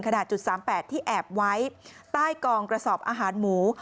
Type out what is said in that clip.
ขนาด๓๘ที่แอบไว้ใต้กองกระสอบอาหารหมู